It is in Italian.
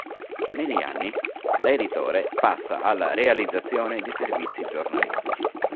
Negli anni, da editore passa alla realizzazione di servizi giornalistici.